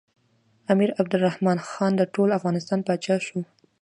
امیر عبدالرحمن خان د ټول افغانستان پاچا شو.